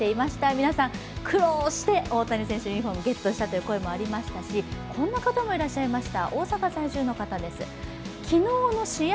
皆さん、苦労して大谷選手のユニフォームをゲットしたという声もありましたしこんな方もいらっしゃいました。